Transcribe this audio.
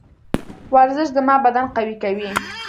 ورزش زما بدن قوي کوي.